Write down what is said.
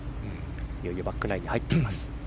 いよいよバックナインに入っています。